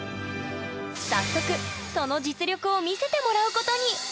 早速その実力を見せてもらうことに！